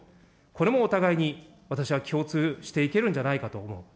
これもお互いに、私は共通していけるんじゃないかと思う。